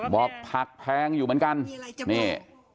ผักแพงอยู่เหมือนกันนี่